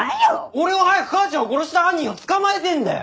俺は早く母ちゃんを殺した犯人を捕まえてえんだよ！